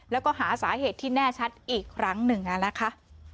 แล้วก็หาสาเหตุที่แน่ชัดอีกครั้งหนึ่งนะคะ